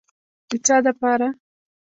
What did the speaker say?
د چا دپاره.